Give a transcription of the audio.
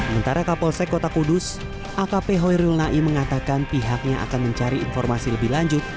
mentara kapolsek kota kudus akp hoyrul nai mengatakan pihaknya akan mencari informasi lebih lanjut